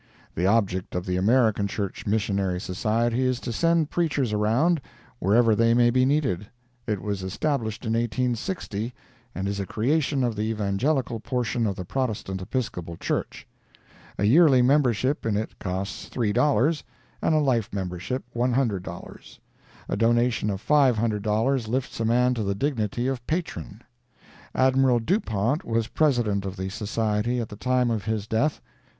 The object of the American Church Missionary Society is to send preachers around, wherever they may be needed. It was established in 1860, and is a creation of the Evangelical portion of the Protestant Episcopal Church. A yearly membership in it costs $3, and a life membership $100. A donation of $500 lifts a man to the dignity of Patron. Admiral Dupont was President of the Society at the time of his death.